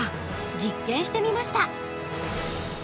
実験してみました。